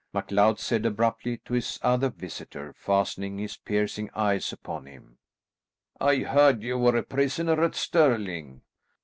MacLeod said abruptly to his other visitor, fastening his piercing eyes upon him, "I heard you were prisoner at Stirling?"